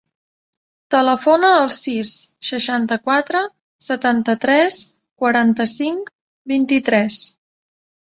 Telefona al sis, seixanta-quatre, setanta-tres, quaranta-cinc, vint-i-tres.